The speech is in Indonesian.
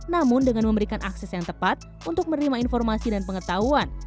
namun dengan memberikan akses yang tepat untuk menerima informasi dan pengetahuan